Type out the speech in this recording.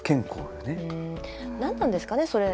何なんですかねそれ。